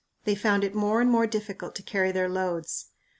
They found it more and more difficult to carry their loads.